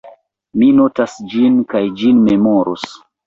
Mi notas ĝin, kaj ĝin memoros.